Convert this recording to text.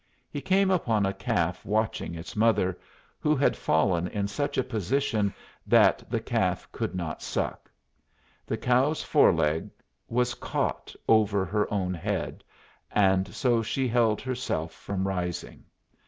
He came upon a calf watching its mother, who had fallen in such a position that the calf could not suck. The cow's foreleg was caught over her own head, and so she held herself from rising.